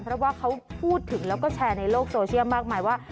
เพราะว่าเขาพูดถึงแล้วก็แชร์ในโลกโซเชียลมากมายว่า